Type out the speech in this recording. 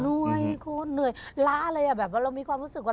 เหนื่อยคุณเหนื่อยล้าเลยอ่ะแบบว่าเรามีความรู้สึกว่า